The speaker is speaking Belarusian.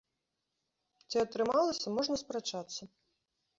Ці атрымалася, можна спрачацца.